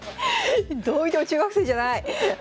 どう見ても中学生じゃない！